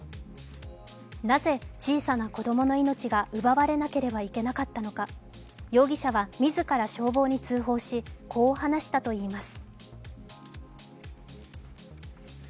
なぜ小さな子供の命が奪われなければいけなかったのか容疑者は自ら消防に通報しこう話したといいます。